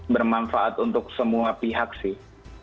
bermanfaat untuk semua pihak sih